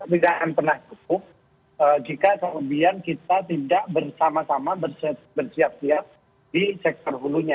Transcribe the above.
tidak akan pernah cukup jika kemudian kita tidak bersama sama bersiap siap di sektor hulunya